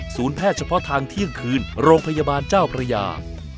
แพทย์เฉพาะทางเที่ยงคืนโรงพยาบาลเจ้าพระยา